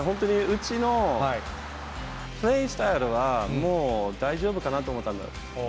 だから本当にうちのプレースタイルは、もう大丈夫かなと思った。